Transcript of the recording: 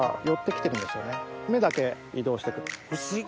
目だけ移動して行く。